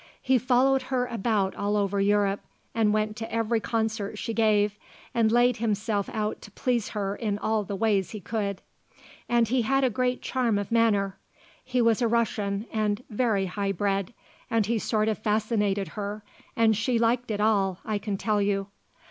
He followed her about all over Europe and went to every concert she gave and laid himself out to please her in all the ways he could. And he had a great charm of manner he was a Russian and very high bred and he sort of fascinated her, and she liked it all, I can tell you.